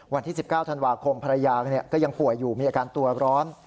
วันที่๑๙ธันวาคมภรรยาก็ยังป่วยอยู่มีอาการตัวร้อน